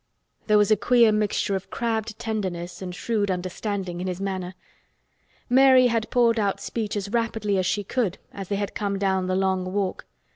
There was a queer mixture of crabbed tenderness and shrewd understanding in his manner. Mary had poured out speech as rapidly as she could as they had come down the Long Walk.